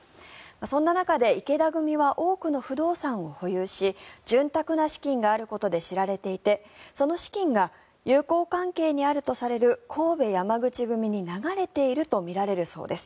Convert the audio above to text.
そんな中で池田組は多くの不動産を保有し潤沢な資金があることで知られていてその資金が友好関係にあるとされる神戸山口組に流れているとみられているそうです。